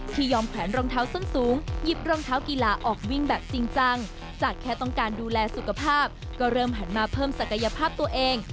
ยอมแขวนรองเท้าส้นสูงหยิบรองเท้ากีฬาออกวิ่งแบบจริงจังจากแค่ต้องการดูแลสุขภาพก็เริ่มหันมาเพิ่มศักยภาพตัวเอง